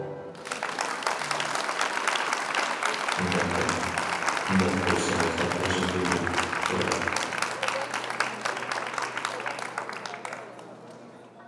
-مۇنداق دەڭ، ئۇنداق بولسا خاتىرجەم بولدۇم-بىراق.